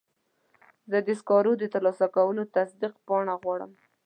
زه د سکرو د ترلاسه کولو تصدیق پاڼه غواړم.